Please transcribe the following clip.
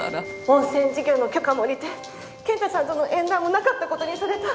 温泉事業の許可も下りて健太さんとの縁談もなかったことにされた。